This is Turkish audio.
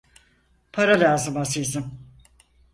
Para lazım azizim!